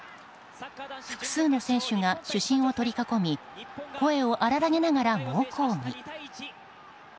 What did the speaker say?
複数の選手が主審を取り囲み声を荒らげながら猛抗議。